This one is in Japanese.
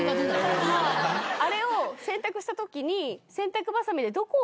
あれを洗濯した時に。